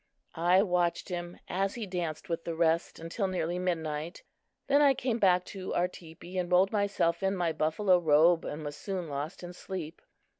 I watched him as he danced with the rest until nearly midnight. Then I came back to our teepee and rolled myself in my buffalo robe and was soon lost in sleep.